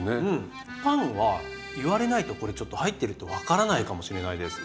パンは言われないとこれちょっと入ってるって分からないかもしれないです。